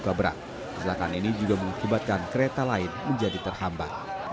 luka berat keselatan ini juga mengibatkan kereta lain menjadi terhambat